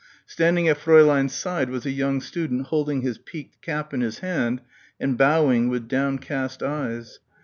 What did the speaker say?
Standing at Fräulein's side was a young student holding his peaked cap in his hand and bowing with downcast eyes.